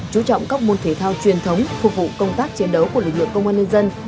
chú trọng các môn thể thao truyền thống phục vụ công tác chiến đấu của lực lượng công an nhân dân